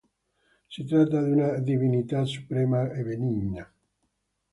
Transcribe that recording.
Si tratta di una divinità suprema e benigna.